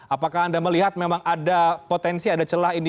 apakah anda melihat memang ada potensi ada celah ini